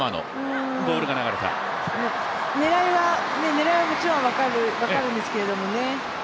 狙いはもちろん分かるんですけれどもね。